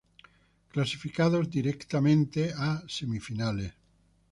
Clasificados Directamente a Semifinales